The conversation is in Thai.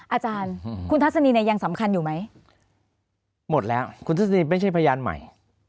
อาจารย์คุณทัศนีเนี่ยยังสำคัญอยู่ไหมหมดแล้วคุณทัศนีไม่ใช่พยานใหม่